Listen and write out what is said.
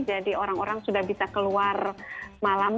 jadi orang orang sudah bisa keluar malam